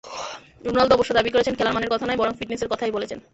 Ronaldo অবশ্য দাবি করেছেন, খেলার মানের কথা নয়, বরং ফিটনেসের কথাই বলেছেন।